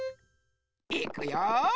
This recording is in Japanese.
いくよ！